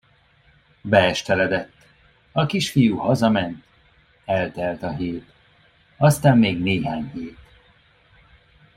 Beesteledett, a kisfiú hazament, eltelt a hét, aztán még néhány hét.